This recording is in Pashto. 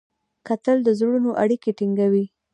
کتل د زړونو اړیکې ټینګوي